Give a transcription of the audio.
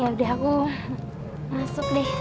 kalau udah aku masuk deh